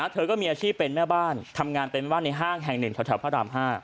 เธอก็มีอาชีพเป็นแม่บ้านทำงานเป็นแม่บ้านในห้างแห่ง๑แถวพระราม๕